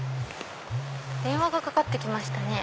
電話がかかって来ましたね。